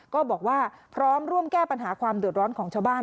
ก็บอกว่าพร้อมร่วมแก้ปัญหาความเดือดร้อนของชาวบ้าน